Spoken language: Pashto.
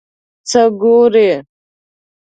څه ګورې ؟